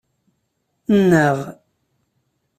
Nnaɣ.